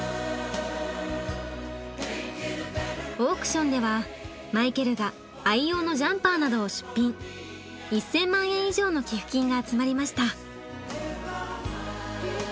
オークションではマイケルが愛用のジャンパーなどを出品１，０００万円以上の寄付金が集まりました。